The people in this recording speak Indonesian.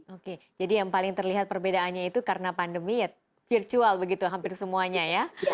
oke jadi yang paling terlihat perbedaannya itu karena pandemi ya virtual begitu hampir semuanya ya